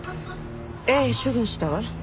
ええ処分したわ。